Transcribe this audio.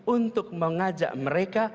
untuk mengajak mereka